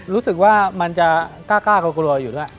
รู้สึกว่ามันจะกล้ากลัวกลัวอยู่ด้วย